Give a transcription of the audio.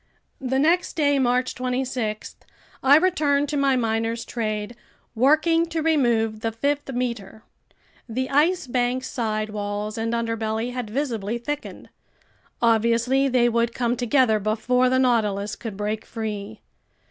The next day, March 26, I returned to my miner's trade, working to remove the fifth meter. The Ice Bank's side walls and underbelly had visibly thickened. Obviously they would come together before the Nautilus could break free.